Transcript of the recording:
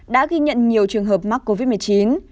đã ghi nhận nhiều trường hợp mắc covid một mươi chín